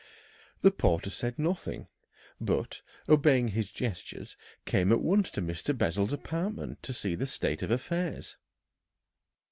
The porter said nothing, but, obeying his gestures, came at once to Mr. Bessel's apartment to see the state of affairs.